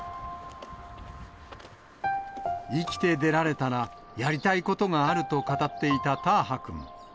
生きて出られたらやりたいことがあると語っていたターハ君。